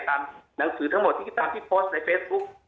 ตามหนังสือทั้งหมดตามที่โพสต์ในเฟสบุ๊ค